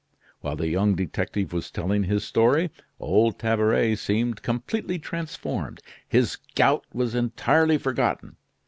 While the young detective was telling his story, old Tabaret seemed completely transformed. His gout was entirely forgotten.